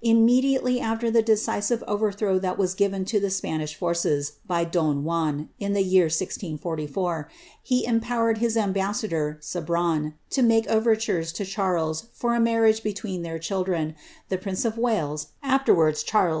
Immediately he decisive overthrow that was given to the Spanish forces by don in the year 1644, he empowered his ambassador, Sabran, to make res to Charles for a marriage between their children, the prince es, afterwards Charles II.